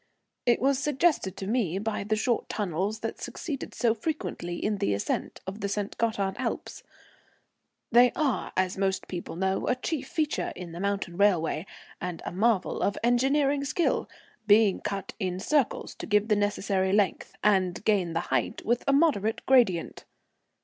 It was suggested to me by the short tunnels that succeed so frequently in the ascent of the St. Gothard Alps. They are, as most people know, a chief feature in the mountain railway, and a marvel of engineering skill, being cut in circles to give the necessary length and gain the height with a moderate gradient.